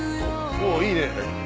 おおいいね。